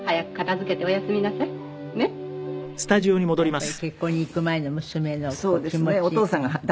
やっぱり結婚に行く前の娘の気持ち。